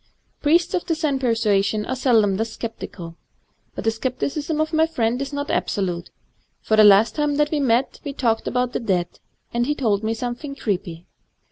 Priests of the Zen persuasion are seldom thus sceptical. But the scepticism of my friend is not absolute; for the last time that we met we talked of the dead, and he told me something creepy.